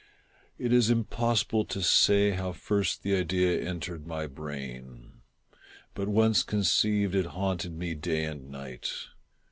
It is impossible to say how first the idea entered my brain ; but once conceived, it haunted me day and night.